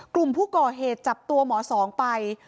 กลุ่มผู้ก่อเหตุจับตัวหมอสองไป